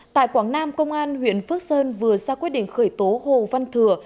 tại quảng nam công an huyện phước sơn vừa ra quyết định khởi tố hồ văn thừa